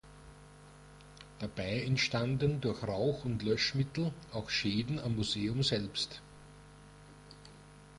Dabei entstanden durch Rauch und Löschmittel auch Schäden am Museum selbst.